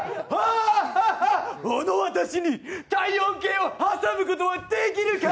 この私に体温計を挟むことはできるか！